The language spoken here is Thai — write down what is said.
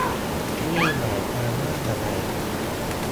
นี่หมายความว่าอะไร